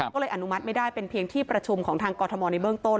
ก็เลยอนุมัติไม่ได้เป็นเพียงที่ประชุมของทางกรทมในเบื้องต้น